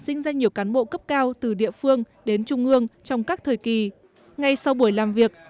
dinh danh nhiều cán bộ cấp cao từ địa phương đến trung ương trong các thời kỳ ngay sau buổi làm việc